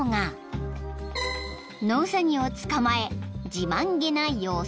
［野ウサギを捕まえ自慢げな様子］